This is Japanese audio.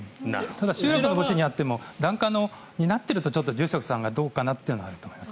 集落の墓地にあっても檀家が担っていると住職さんがちょっとどうかなというのはあると思います。